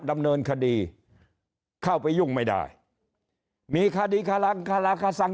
ดำเนินคดีเข้าไปยุ่งไม่ได้มีคดีคารังคาราคาสัง